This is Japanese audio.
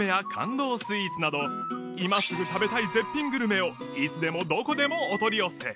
スイーツなど今すぐ食べたい絶品グルメをいつでもどこでもお取り寄せ